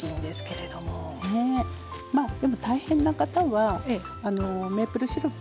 まあでも大変な方はメープルシロップでも。